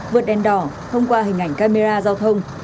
vượt đèn đỏ thông qua hình ảnh camera giao thông